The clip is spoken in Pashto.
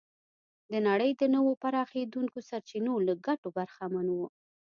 د نړۍ د نویو پراخېدونکو سرچینو له ګټو برخمن و.